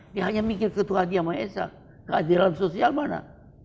dia hanya mikir ketuhanan yama esa keadilan sosial mana